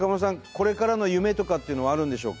これからの夢とかっていうのはあるんでしょうか？